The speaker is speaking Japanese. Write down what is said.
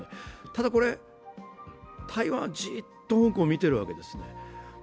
ただ、台湾はじっと香港を見ているわけです。